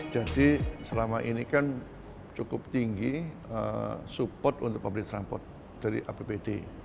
jadi selama ini kan cukup tinggi support untuk pabrik transportasi dari apbd